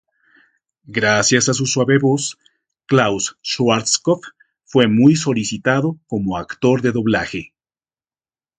Gracias a su suave voz, Klaus Schwarzkopf fue muy solicitado como actor de doblaje.